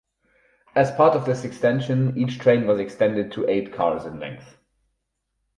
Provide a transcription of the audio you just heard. As part of this extension, each train was extended to eight cars in length.